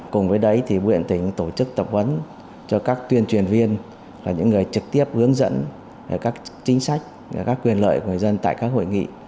cùng với đấy bùi điện tỉnh tổ chức tập vấn cho các tuyên truyền viên những người trực tiếp hướng dẫn các chính sách các quyền lợi của người dân tại các hội nghị